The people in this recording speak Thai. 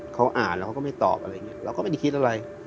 เค้าอ่านแล้วก็ไม่ตอบเราก็ไม่คิดอะไร